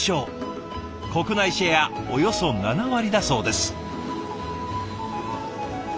国内シェアおよそ７割だそうです。